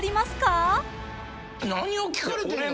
何を聞かれてんのか。